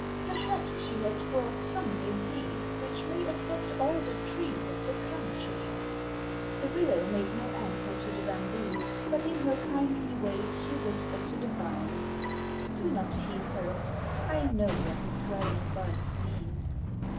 Perhaps she has brought some disease which may affect all the trees of the country." The willow made no answer to the bamboo, but in her kindly way she whispered to the vine, "Do not feel hurt, I know what the swelling buds mean."